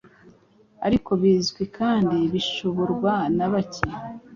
ariko bizwi kandi bishoborwa na bake.